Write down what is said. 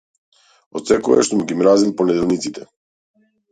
Од секогаш сум ги мразел понеделниците.